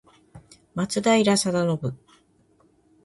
松平定信